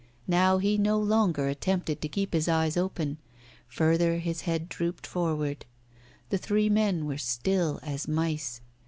Now he no longer attempted to keep his eyes open. Further his head drooped forward. The three men were still as mice.